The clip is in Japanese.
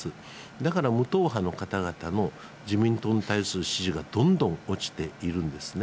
だから、無党派の方々の自民党に対する支持がどんどん落ちているんですね。